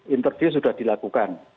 interview sudah dilakukan